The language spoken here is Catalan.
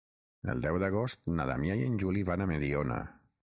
El deu d'agost na Damià i en Juli van a Mediona.